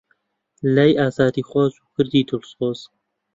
لەلای ئازادیخواز و کوردی دڵسۆز